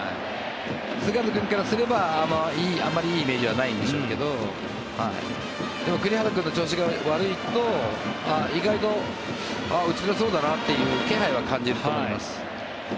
菅野君からすればあまりいいイメージはないんでしょうけどでも栗原君の調子が悪いと意外と打ちづらそうだなという気配は感じます。